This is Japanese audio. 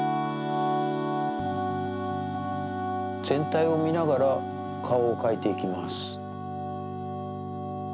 ぜんたいをみながら顔を描いていきます。